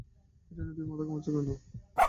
এটা নিয়ে তুমি মাথা ঘামোচ্ছ কেন?